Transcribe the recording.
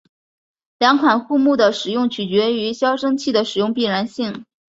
两款护木的使用取决于消声器的使用必要性。